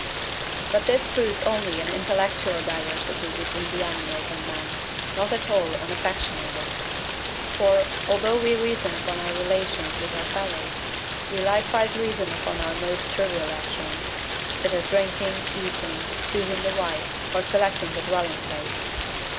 But this proves only an intellectual diversity between the animals and man, not at all an affectional one; for, although we reason upon our relations with our fellows, we likewise reason upon our most trivial actions, such as drinking, eating, choosing a wife, or selecting a dwelling place.